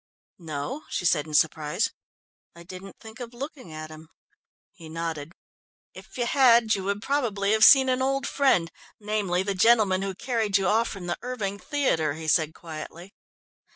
"No," she said in surprise. "I didn't think of looking at him." He nodded. "If you had, you would probably have seen an old friend, namely, the gentleman who carried you off from the Erving Theatre," he said quietly.